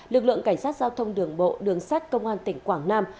lực lượng cảnh sát giao thông đường bộ đường sát công an tỉnh quảng nam